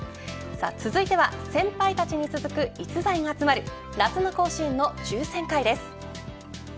続いては先輩たちに続く逸材が集まる夏の甲子園の抽選会です。